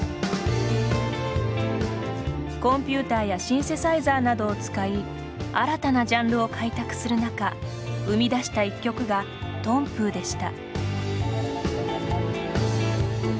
コンピューターやシンセサイザーなどを使い新たなジャンルを開拓する中生み出した１曲が「東風」でした。」）